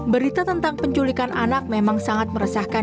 berita tentang penculikan anak memang sangat meresahkan